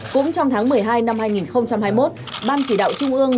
cũng trong tháng một mươi hai năm hai nghìn hai mươi một ban chỉ đạo trung ương